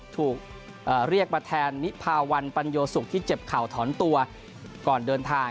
ถูกเรียกมาแทนนิพาวันปัญโยสุกที่เจ็บเข่าถอนตัวก่อนเดินทาง